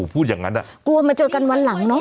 พูดอย่างนั้นกลัวมาเจอกันวันหลังเนอะ